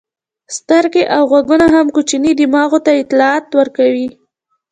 سترګې او غوږونه هم کوچني دماغ ته اطلاعات ورکوي.